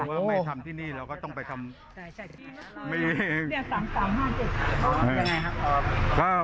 ไม่ทำที่นี่เราก็ต้องไปทำไม่ได้เองเนี้ยสามสามห้าเจ็ดยังไงครับ